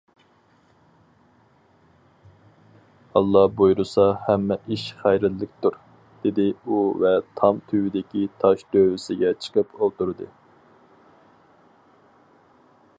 « ئاللا بۇيرۇسا ھەممە ئىش خەيرلىكتۇر» دېدى ئۇ ۋە تام تۈۋىدىكى تاش دۆۋىسىگە چىقىپ ئولتۇردى.